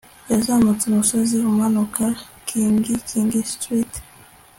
Yazamutse umusozi umanuka King King Street